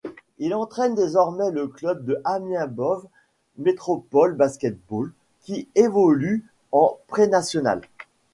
Il entraîne désormais le club de Amiens-Boves Métropole Basket-Ball, qui évolue en pré-national.